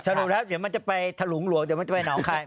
สรุปแล้วเดี๋ยวมันจะไปถลุงหลวงเดี๋ยวมันจะไปหนองคาย